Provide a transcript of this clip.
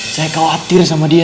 saya khawatir sama dia